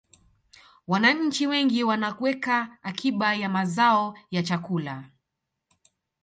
wananchi wengi wanaweka akiba ya mazao ya chakula